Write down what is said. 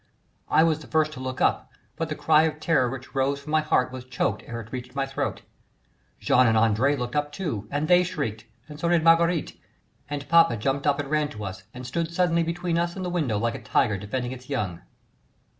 I was the first to look up, but the cry of terror which rose from my heart was choked ere it reached my throat. Jean and André looked up too, and they shrieked, and so did Marguerite, and papa jumped up and ran to us and stood suddenly between us and the window like a tiger defending its young.